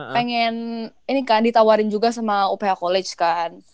pengen ini kan ditawarin juga sama uph college kan